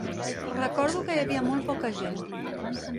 Recordo que hi havia molt poca gent.